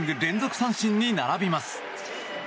奪三振に並びます。